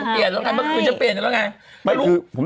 ปิ่นว่าเมื่อคืนจะเปลี่ยนเหรอไง